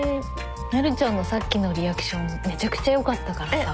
ねるちゃんのさっきのリアクションめちゃくちゃ良かったからさ。